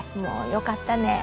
「よかったね」って